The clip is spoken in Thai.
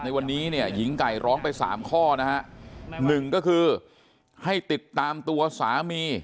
ในวันนี้เนี่ยหญิงไก่ร้องไปสามข้อนะฮะหนึ่งก็คือให้ติดตามตัวสามี